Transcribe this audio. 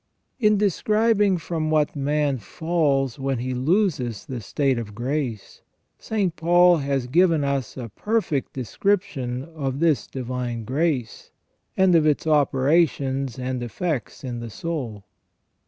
f In describing from what man falls when he loses the state of grace, St. Paul has given us a perfect description of this divine grace, and of its operations and effects in the soul.